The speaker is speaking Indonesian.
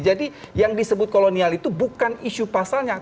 jadi yang disebut kolonial itu bukan isu pasalnya